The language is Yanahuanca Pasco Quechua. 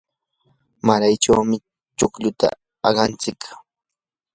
maraychawmi chukluta aqantsik.